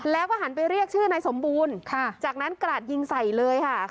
แล้วก็หันไปเรียกชื่อนายสมบูรณ์จากนั้นกราดยิงใส่เลยค่ะ